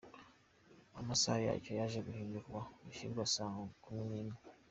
Amasaha yacyo yaje guhindurwa gishyirwa saa kumi n’imwe.